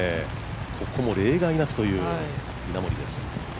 ここも例外なくという稲森です。